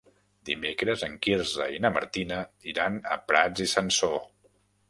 Dimecres en Quirze i na Martina iran a Prats i Sansor.